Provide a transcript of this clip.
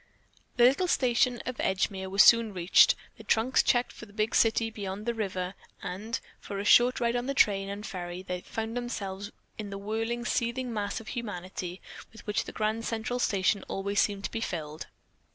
The little station at Edgemere was soon reached, the trunks checked for the big city beyond the river, and, after a short ride on the train and ferry, they found themselves in the whirling, seething mass of humanity with which the Grand Central Station seemed always to be filled.